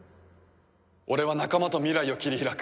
俺は仲間と未来を切り開く。